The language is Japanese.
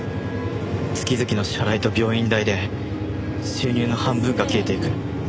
月々の支払いと病院代で収入の半分が消えていく。